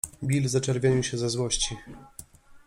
Bill zaczerwienił się ze złości.